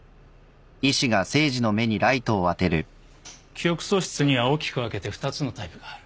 記憶喪失には大きく分けて２つのタイプがある。